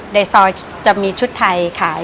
ในซอยจะมีชุดไทยขาย